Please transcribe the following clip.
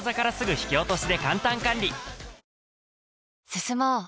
進もう。